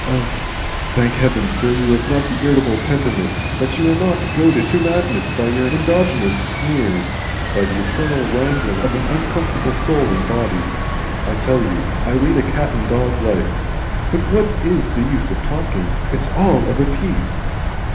Ugh! Thank Heaven, sir, you have not the irritable temperament, that you are not goaded to madness by your endogenous sneers, by the eternal wrangling of an uncomfortable soul and body. I tell you, I lead a cat and dog life But what IS the use of talking? It's all of a piece!"